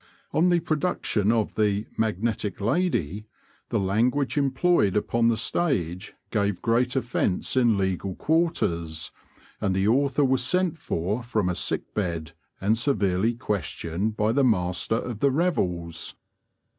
On the production of the 'Magnetic Lady,' the language employed upon the stage gave great offence in legal quarters, and the author was sent for from a sick bed and severely questioned by the Master of the Revels.